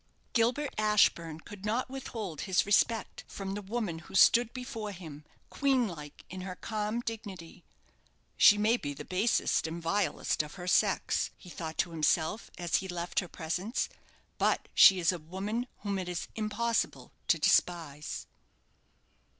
Gilbert Ashburne could not withhold his respect from the woman who stood before him, queen like in her calm dignity. "She may be the basest and vilest of her sex," he thought to himself, as he left her presence; "but she is a woman whom it is impossible to despise."